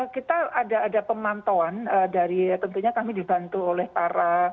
kita ada pemantauan dari tentunya kami dibantu oleh para